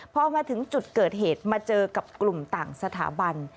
พอมาถึงจุดเกิดเหตุมาเจอกับกลุ่มต่างสถาบัน